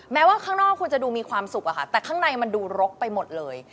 แม้ว่าข้างนอกคุณจะดูมีความสุขอะค่ะแต่ข้างในมันดูรกไปหมดเลย